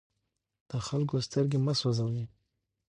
د خلکو سترګې مه سوځوئ.